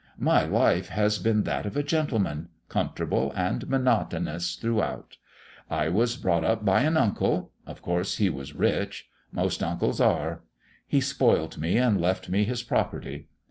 My life has been that of a gentleman comfortable and monotonous throughout. I was brought up by an uncle of course, he was rich; most uncles are. He spoilt me and left me his property.